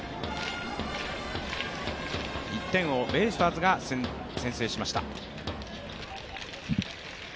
１点をベイスターズが先制しました。